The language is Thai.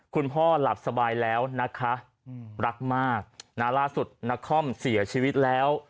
คุณพ่อหลับสบายแล้วนะคะรักมากนะล่าสุดนักคอมเสียชีวิตแล้ว